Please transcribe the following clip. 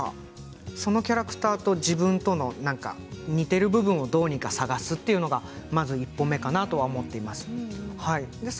そのキャラクターと自分と似ている部分をどうにか探すということがまず一歩目かなと思っています。